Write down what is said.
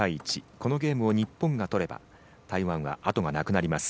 このゲームを日本が取れば台湾は後がなくなります。